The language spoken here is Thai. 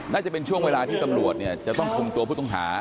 น่าจะเป็นช่วงเวลาที่ตำรวจจะต้องคุมตัวผู้ต้องหา